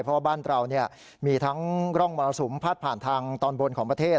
เพราะว่าบ้านเรามีทั้งร่องมรสุมพาดผ่านทางตอนบนของประเทศ